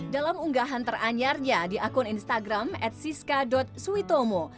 dalam unggahan teranyarnya di akun instagram at siska suitomo